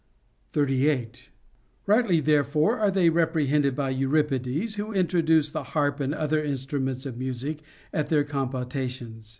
38. Rightly therefore are they reprehended by Euripides, who introduce the harp and other instruments of music at their com potations.